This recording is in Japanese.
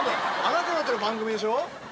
あなたたちの番組でしょ？